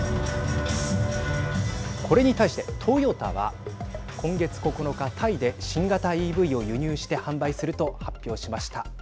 これに対して、トヨタは今月９日、タイで新型ＥＶを輸入して販売すると発表しました。